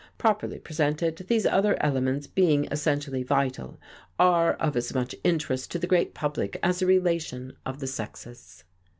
Properly presented, these other elements, being essentially vital, are of as much interest to the great public as the relation of the sexes."